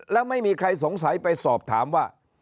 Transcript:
แล้วไม่มีใครสงสัยไปสอบถามว่า